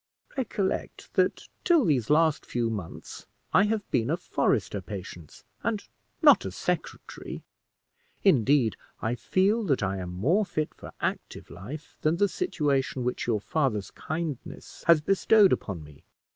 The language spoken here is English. "Recollect, that till these last few months I have been a forester, Patience, and not a secretary. Indeed, I feel that I am more fit for active life than the situation which your father's kindness has bestowed upon me.